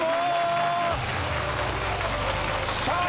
さあ！